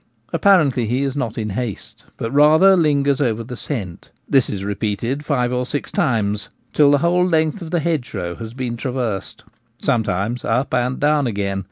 Apparently he is not in haste, but rather lingers over the scent. This is re peated five or six times, till the whole length of the hedgerow has been traversed — sometimes up and down again.